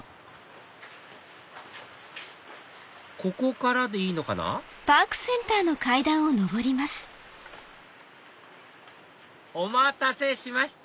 ここからでいいのかなお待たせしました！